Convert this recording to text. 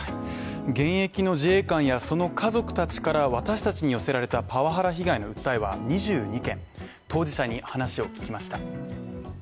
現役の自衛官やその家族たちから私達に寄せられたパワハラ被害の訴えは２２件、当事者に話を聞きました。